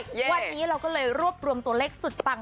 วันนี้เราก็เลยรวบรวมตัวเลขสุดปัง